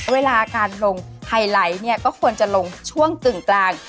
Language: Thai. เวลาการลงไฮไลท์เนี่ยก็ควรจะลงช่วงกึ่งกลาง